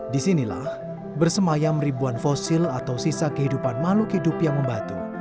disinilah bersemayam ribuan fosil atau sisa kehidupan makhluk hidup yang membatu